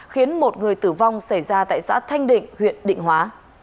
khiến một người tử vong xảy ra tại xã thanh định huyện định hóa